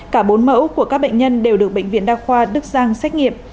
cả bốn mẫu của các bệnh nhân đều được bệnh viện đa khoa đức giang xét nghiệm